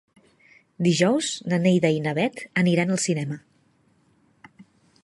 Dijous na Neida i na Bet aniran al cinema.